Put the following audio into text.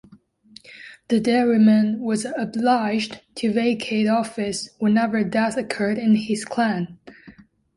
The dairyman was obliged to vacate office whenever a death occurred in his clan.